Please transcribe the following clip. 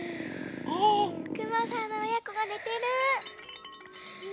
くまさんのおやこがねてる。